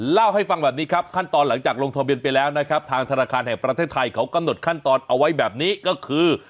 เล่าให้ฟังแบบนี้ครับขั้นตอนหลังจากลงทะเบียนไปแล้วนะครับทางธนาคารแห่งประเทศไทยเขากำหนดขั้นตอนเอาไว้แบบนี้ก็คือ